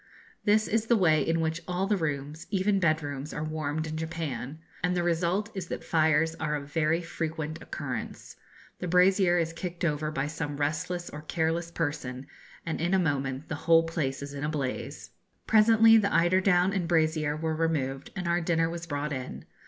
This is the way in which all the rooms, even bedrooms, are warmed in Japan, and the result is that fires are of very frequent occurrence. The brazier is kicked over by some restless or careless person, and in a moment the whole place is in a blaze. Presently the eider down and brazier were removed, and our dinner was brought in.